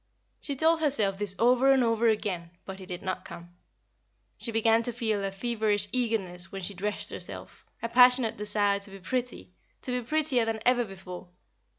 She told herself this over and over again; but he did not come. She began to feel a feverish eagerness when she dressed herself, a passionate desire to be pretty to be prettier than ever before.